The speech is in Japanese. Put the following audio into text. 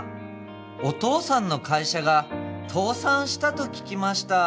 お父さんの会社が倒産したと聞きました